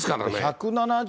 １７０。